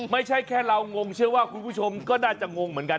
ไม่ใช่แค่เรางงเชื่อว่าคุณผู้ชมก็น่าจะงงเหมือนกัน